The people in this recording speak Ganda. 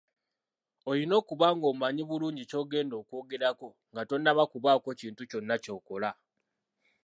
Olina okuba ng’omanyi bulungi ky’ogenda okw’ogerako nga tonnaba kubaako kintu kyonna ky’okola.